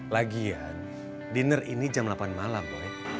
lagian dinner ini jam delapan malam boleh